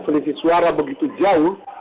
selisih suara begitu jauh